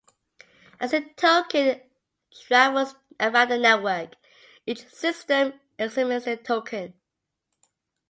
As the token travels around the network, each system examines the token.